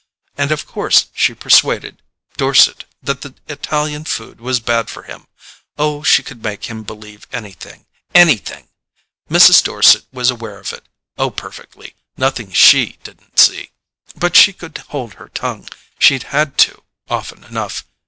And of course she persuaded Dorset that the Italian food was bad for him. Oh, she could make him believe anything—ANYTHING! Mrs. Dorset was aware of it—oh, perfectly: nothing SHE didn't see! But she could hold her tongue—she'd had to, often enough.